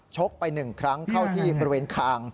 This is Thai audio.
ชกไปหนึ่งครั้งเข้าที่บริเวณคาง